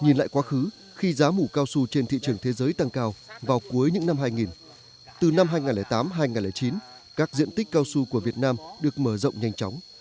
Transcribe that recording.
nhìn lại quá khứ khi giá mủ cao su trên thị trường thế giới tăng cao vào cuối những năm hai nghìn từ năm hai nghìn tám hai nghìn chín các diện tích cao su của việt nam được mở rộng nhanh chóng